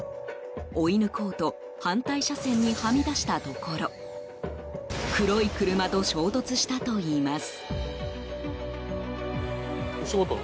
追い抜こうと反対車線にはみ出したところ黒い車と衝突したといいます。